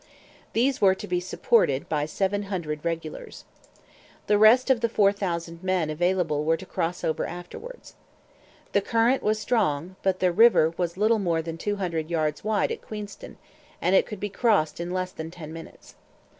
These were to be supported by seven hundred regulars. The rest of the four thousand men available were to cross over afterwards. The current was strong; but the river was little more than two hundred yards wide at Queenston and it could be crossed in less than ten minutes.